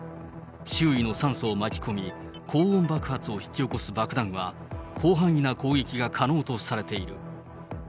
周囲の酸素を巻き込み、高温爆発を引き起こす爆弾は、広範囲な攻撃が可能とされている。